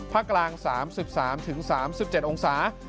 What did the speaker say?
ภาคกลาง๓๓ถึง๓๗องศา